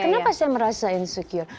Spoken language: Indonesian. kenapa saya merasa insecure